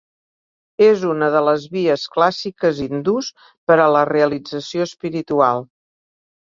És una de les vies clàssiques hindús per a la realització espiritual.